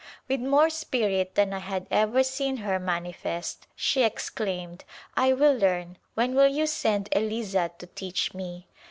With more spirit than I had ever seen her manifest she exclaimed, " I will learn. When will you send Eliza to teach me